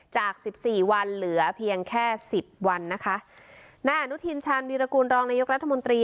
จากสิบสี่วันเหลือเพียงแค่สิบวันนะคะนายอนุทินชาญวีรกูลรองนายกรัฐมนตรี